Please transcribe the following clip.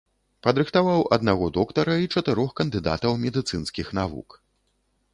Падрыхтаваў аднаго доктара і чатырох кандыдатаў медыцынскіх навук.